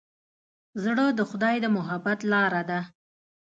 زړه د خدای د محبت لاره ده.